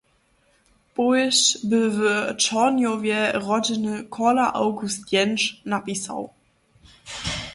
Powěsć bě w Čornjowje rodźeny Korla Awgust Jenč napisał.